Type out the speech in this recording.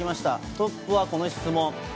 トップはこの質問。